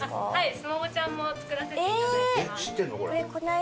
スモモちゃんも作らせていただいてます。